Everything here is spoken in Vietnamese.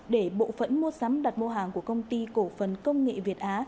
để bộ phận mua sắm đặt mua hàng của công ty cổ phần công nghệ việt á